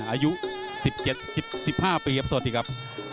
อายุ๑๕ปีสวัสดีครับ